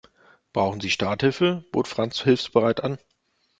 Brauchen Sie Starthilfe?, bot Fritz hilfsbereit an.